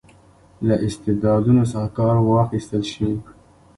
له استعدادونو څخه کار واخیستل شي.